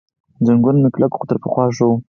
زنګون مې کلک، خو تر پخوا ښه و.